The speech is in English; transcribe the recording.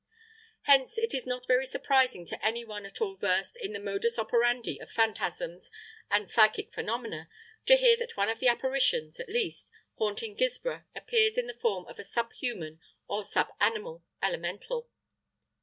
Hence it is not very surprising to any one at all versed in the modus operandi of Phantasms and Psychic Phenomena to hear that one of the apparitions (at least) haunting Guilsborough appears in the form of a sub human or sub animal elemental.